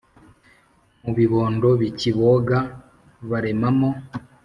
Mu bibondo bikiboga baremamo